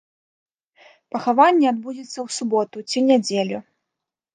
Пахаванне адбудзецца ў суботу ці нядзелю.